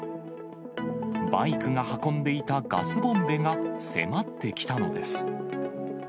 バイクが運んでいたガスボンベが迫ってきたのです。